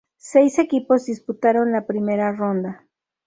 Seis equipos disputaron la primera ronda.